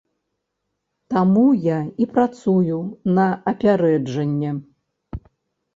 Таму я і працую на апярэджанне.